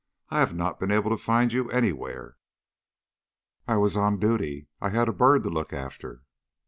I have not been able to find you anywhere." "I was on duty; I had a bird to look after."